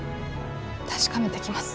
確かめてきます。